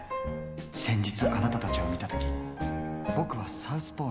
先日あなたたちを見た時ボクはサウスポーの。